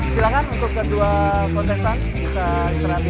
silahkan untuk kedua kontestan bisa istirahat